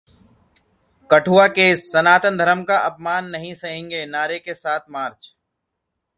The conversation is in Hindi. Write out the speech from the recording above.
कठुआ केस: 'सनातन धर्म का अपमान नहीं सहेंगे' नारे के साथ मार्च